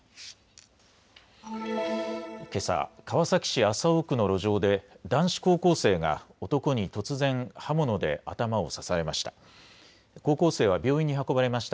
けさ、川崎市麻生区の路上で男子高校生が男に突然、刃物で頭を刺されました。